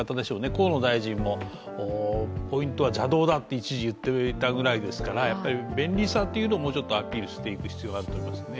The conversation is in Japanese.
河野大臣もポイントは邪道だと一時言っていたくらいですから便利さというのをもうちょっとアピールしていく必要があると思いますね。